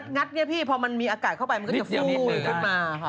ก็งัดพอมันมีอากาศเข้าไปมันก็จะฟูลขึ้นมา